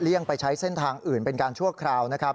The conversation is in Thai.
ไปใช้เส้นทางอื่นเป็นการชั่วคราวนะครับ